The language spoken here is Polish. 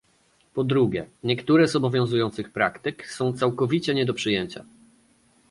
Po drugie, niektóre z obowiązujących praktyk są całkowicie nie do przyjęcia